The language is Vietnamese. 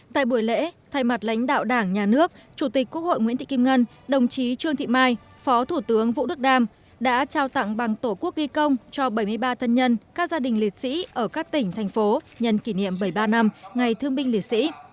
tại buổi lễ thay mặt lãnh đạo đảng nhà nước chủ tịch quốc hội nguyễn thị kim ngân đồng chí trương thị mai phó thủ tướng vũ đức đam đã trao tặng bằng tổ quốc ghi công cho bảy mươi ba thân nhân các gia đình liệt sĩ ở các tỉnh thành phố nhân kỷ niệm bảy mươi ba năm ngày thương binh liệt sĩ